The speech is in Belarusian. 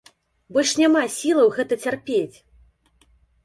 Больш няма сілаў гэта цярпець!